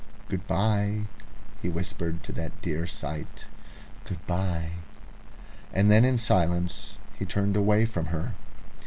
"Good bye!" he whispered at that dear sight, "good bye!" And then in silence he turned away from her.